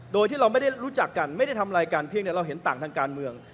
โดยที่เราไม่ได้รู้จักกันไม่ได้ทำอะไรกันเพียงแต่เราเห็นต่างทางการเมือง